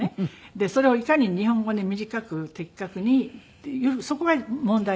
でそれをいかに日本語に短く的確にっていうそこが問題ですから。